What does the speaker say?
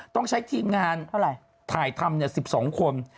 ต้องใช้ทีมงานถ่ายทำ๑๒คน